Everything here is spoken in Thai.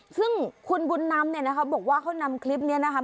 ซึ่งคุณบุญนำเนี่ยนะคะบอกว่าเขานำคลิปนี้นะคะ